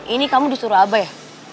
ini kamu disuruh abah ya